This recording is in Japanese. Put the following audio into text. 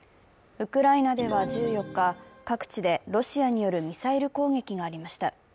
ウクライナでは１４日、各地でロシアによるミサイル攻撃がありました。